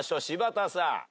柴田さん。